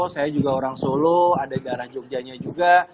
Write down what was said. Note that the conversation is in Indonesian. saya juga orang solo ada di arah jogjanya juga